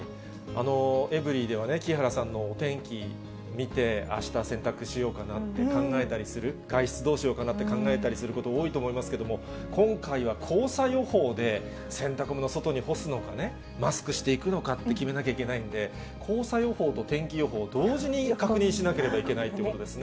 エブリィでは木原さんのお天気見て、あした洗濯しようかなって考えたりする、外出どうしようかなって考えたりすることが多いと思いますけども、今回は黄砂予報で洗濯物、外に干すのかね、マスクしていくのかって決めなきゃいけないんで、黄砂予報と天気予報、同時に確認しなければいけないということですね。